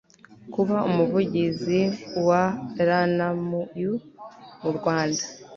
Kuba umuvugizi wa RNMU mu Rwanda